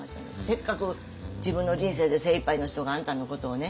せっかく自分の人生で精いっぱいの人があんたのことをね